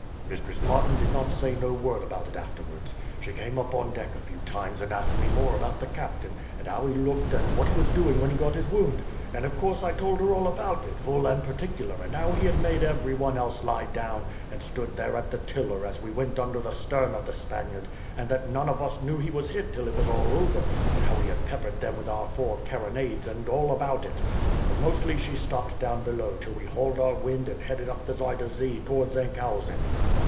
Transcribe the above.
"Mistress Martin did not say no word about it afterwards. She came up on deck a few times, and asked me more about the captain, and how he looked, and what he was doing when he got his wound. And of course I told her all about it, full and particular, and how he had made every one else lie down, and stood there at the tiller as we went under the stern of the Spaniard, and that none of us knew he was hit until it was all over; and how we had peppered them with our four carronades, and all about it. But mostly she stopped down below till we hauled our wind and headed up the Zuider Zee towards Enkhuizen."